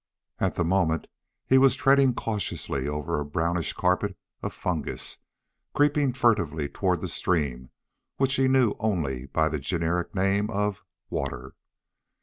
At the moment, he was treading cautiously over a brownish carpet of fungus, creeping furtively toward the stream which he knew only by the generic name of "water."